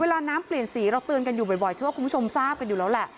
น้ำเปลี่ยนสีเราเตือนกันอยู่บ่อยเชื่อว่าคุณผู้ชมทราบกันอยู่แล้วแหละ